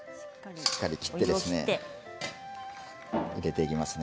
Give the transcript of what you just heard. しっかり、お湯を切って入れていきますね。